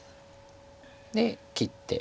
で切って。